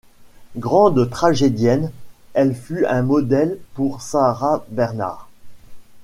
Grande tragédienne, elle fut un modèle pour Sarah Bernhardt.